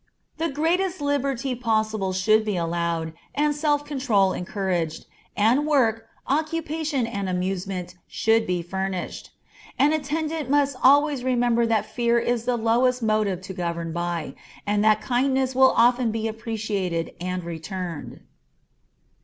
The greatest liberty possible should be allowed, and self control encouraged, and work, occupation, and amusement should be furnished. An attendant must always remember that fear is the lowest motive to govern by, and that kindness will often be appreciated and returned.